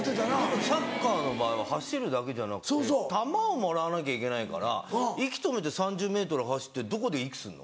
でもサッカーの場合は走るだけじゃなくて球をもらわなきゃいけないから息止めて３０ｍ走ってどこで息するの？